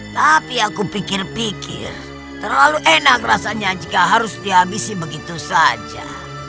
tapi aku pikir pikir terlalu enak rasanya jika harus dihabisi begitu saja